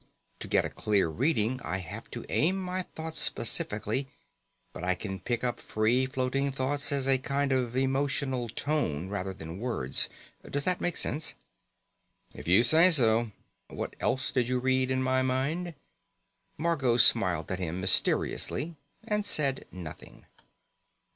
To get a clear reading I have to aim my thoughts specifically, but I can pick up free floating thoughts as a kind of emotional tone rather than words. Does that make sense?" "If you say so. What else did you read in my mind?" Margot smiled at him mysteriously and said nothing.